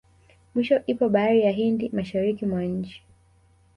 Mwisho ipo bahari ya Hindi mashariki mwa nchi